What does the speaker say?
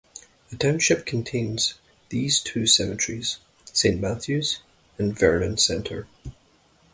The township contains these two cemeteries: Saint Matthews and Vernon Center.